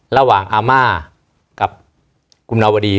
ระหว่างอาม่ากับกลุ่มนาวดี